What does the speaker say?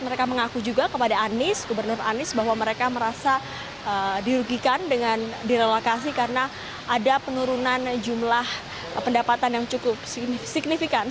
mereka mengaku juga kepada anies gubernur anies bahwa mereka merasa dirugikan dengan direlokasi karena ada penurunan jumlah pendapatan yang cukup signifikan